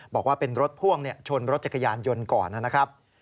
บอกว่าเป็นรถพ่วงชนรถจักรยานยนต์ก่อนนะครับ